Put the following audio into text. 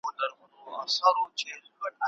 د ازلي قهرمانانو وطن